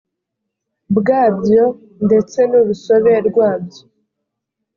bwabyo ndetse n urusobe rwabyo